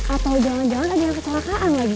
atau jangan jangan ada yang kecelakaan lagi